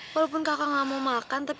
walaupun kakak nggak mau makan